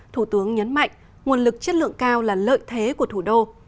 thủ tướng nhấn mạnh nguồn lực chất lượng cao là lợi thế của thủ đô